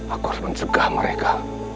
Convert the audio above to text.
aku harus mencegah mereka